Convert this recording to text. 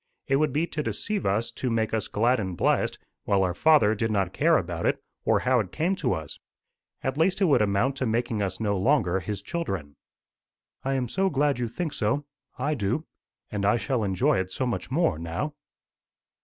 It would be to deceive us to make us glad and blessed, while our Father did not care about it, or how it came to us. At least it would amount to making us no longer his children." "I am so glad you think so. I do. And I shall enjoy it so much more now."